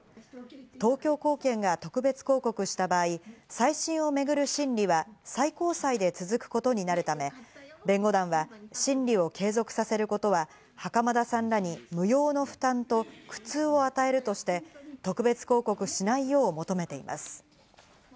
東京高検が特別抗告した場合、再審をめぐる審理は最高裁で続くことになるため、弁護団は、審理を継続させることは袴田さんらに無用の負担と苦痛を与えるとして、特別抗告しないよう求めています。